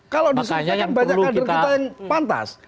kalau disuruh kita kan banyak kader kita yang pantas